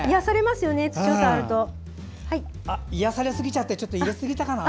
癒やされすぎてちょっと入れすぎたかな。